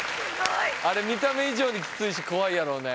あれ見た目以上にきついし怖いやろうね。